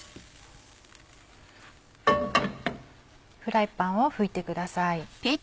フライパンを拭いてください。